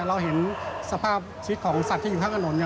เราเห็นสภาพชีวิตของสัตว์ที่อยู่ข้างถนนเนี่ย